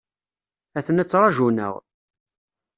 Aten-a ttrajun-aɣ.